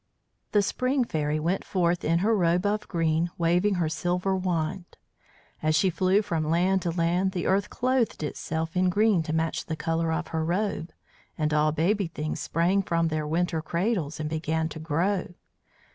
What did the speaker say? The Spring Fairy went forth in her robe of green, waving her silver wand. As she flew from land to land the earth clothed itself in green to match the colour of her robe, and all baby things sprang from their winter cradles and began to grow.